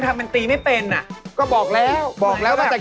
ถ้าเพิ่งมาซ้อมหลังเวทีเลย